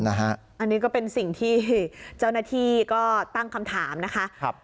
อันนี้ก็เป็นสิ่งที่เจ้าหน้าที่ก็ตั้งคำถามนะคะ